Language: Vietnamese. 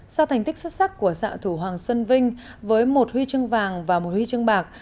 sau thành tích xuất sắc của xã thủ hoàng xuân vinh với một huy chương vàng và một huy chương bạc